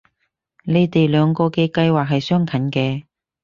你哋兩人嘅計劃係相近嘅